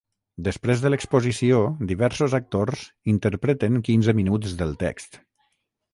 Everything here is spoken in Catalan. Després de l’exposició, diversos actors interpreten quinze minuts del text.